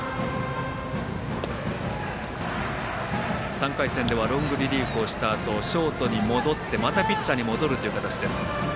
３回戦ではロングリリーフをしたあとショートに戻ってまたピッチャーに戻るという形です。